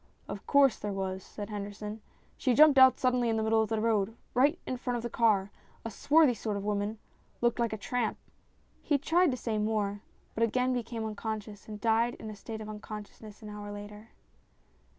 " Of course, there was," said Henderson. " She jumped out suddenly into the middle of the road, right in front of the car a swarthy sort of woman, looked like a tramp." He tried to say more, but again became unconscious, and died in a state of unconsciousness an hour later.